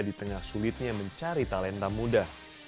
di tengah sulitnya mencari talenta muda